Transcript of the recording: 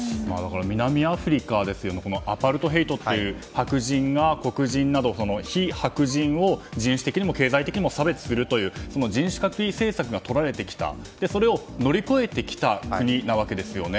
南アフリカはアパルトヘイトという白人が黒人などの非白人を、人種的にも経済的にも差別するという人種隔離政策がとられてきてそれを乗り越えてきた国ですよね。